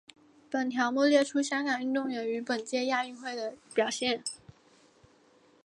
本条目列出香港运动员于本届亚运会的表现。